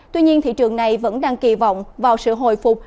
tuy nhiên thị trường này vẫn đang kỳ vọng vào sự hồi phục